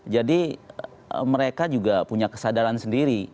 jadi mereka juga punya kesadaran sendiri